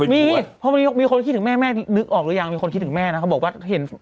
มีเพราะมีคนคิดถึงแม่แม่นึกออกหรือยังมีคนคิดถึงแม่นะเขาบอกว่าเห็น